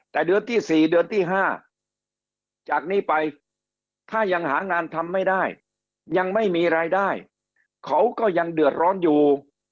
แต่เดือนที่๔เดือนที่๕จากนี้ไปถ้ายังหางานทำไม่ได้ยังไม่มีรายได้เขาก็ยังเดือดร้อนอยู่